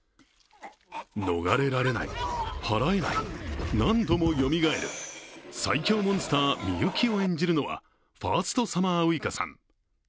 逃れられない、はらえない何度もよみがえる、最凶モンスター・美雪を演じるのはファーストサマーウイカさん。